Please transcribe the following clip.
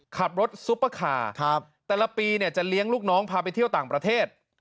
ขับรถซุปเปอร์คาร์แต่ละปีเนี่ยจะเลี้ยงลูกน้องพาไปเที่ยวต่างประเทศ